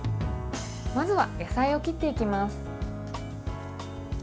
まずは野菜を切っていきます。